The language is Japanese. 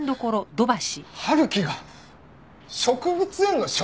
春樹が植物園の植物を？